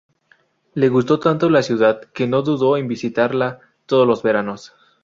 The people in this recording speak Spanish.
Le gustó tanto la ciudad que no dudó en visitarla todos los veranos.